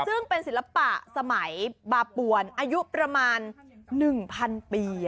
ซึ่งเป็นศิลปะสมัยบาปวนอายุประมาณ๑๐๐๐ปี